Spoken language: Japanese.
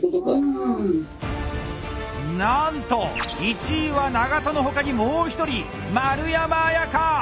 なんと１位は長渡の他にもう１人丸山綾香！